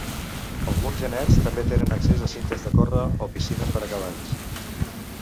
Alguns genets també tenen accés a cintes de córrer o piscines per a cavalls.